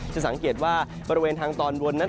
จะสังเกตว่าบริเวณทางตอนบนนั้น